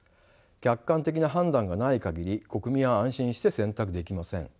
客観的な判断がない限り国民は安心して選択できません。